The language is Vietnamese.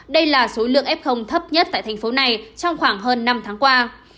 đây là số lượng f thấp nhất tại tp hcm trong khoảng hơn năm tháng qua